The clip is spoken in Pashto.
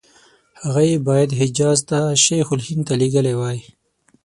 هغه یې باید حجاز ته شیخ الهند ته لېږلي وای.